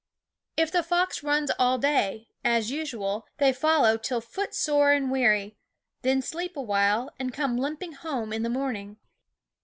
If the fox runs all day, as usual, they follow till footsore and weary ; then sleep awhile, and come limping home in the morning.